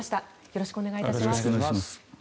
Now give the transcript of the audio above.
よろしくお願いします。